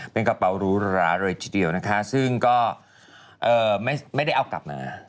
เป็นกระเป๋าหรูหราเลยทีเดียวนะคะซึ่งก็ไม่ได้เอากลับมา